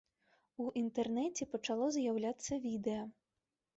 У інтэрнэце пачало з'яўляцца відэа.